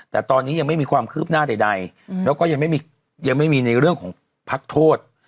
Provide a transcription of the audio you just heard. แต่ตอนนี้ยังไม่มีความคืบหน้าใดแล้วก็ยังไม่มีในเรื่องของพักโทษ